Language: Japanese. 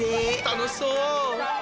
楽しそう！